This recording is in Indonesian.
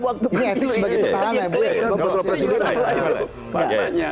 bukan soal presiden